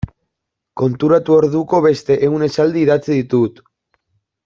Konturatu orduko beste ehun esaldi idatzi ditut.